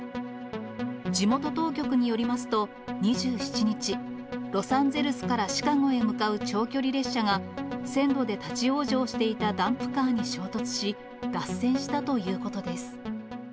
地元当局によりますと、２７日、ロサンゼルスからシカゴへ向かう長距離列車が、線路で立往生していたダンプカーに衝突し、脱線したということです。